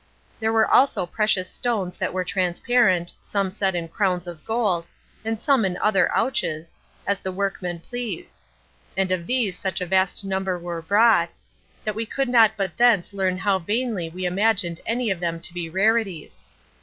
There were also precious stones that were transparent, some set in crowns of gold, and some in other places, as the workmen pleased; and of these such a vast number were brought, that we could not but thence learn how vainly we imagined any of them to be rarities.